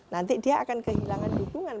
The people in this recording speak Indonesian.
nanti dia akan kehilangan dukungan